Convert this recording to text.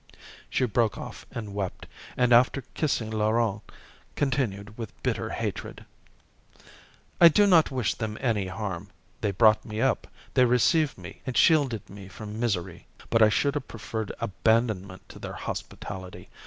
She broke off and wept, and after kissing Laurent, continued with bitter hatred: "I do not wish them any harm. They brought me up, they received me, and shielded me from misery. But I should have preferred abandonment to their hospitality.